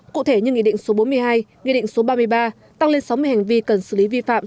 cụ thể như nghị định số bốn mươi hai nghị định số ba mươi ba tăng lên sáu mươi hành vi cần xử lý vi phạm